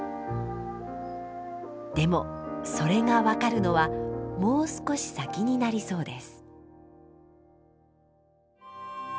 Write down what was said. でもそれが分かるのはもう少し先になりそうです。